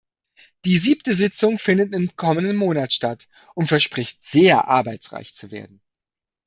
Die siebte Sitzung findet im kommenden Monat statt und verspricht sehr arbeitsreich zu werden.